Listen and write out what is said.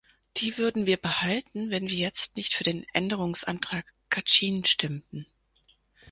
Die würden wir behalten, wenn wir jetzt nicht für den Änderungsantrag Kacin stimmten.